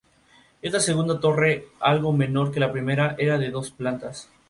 Esta segunda Torre, algo menor que la primera, era de dos plantas.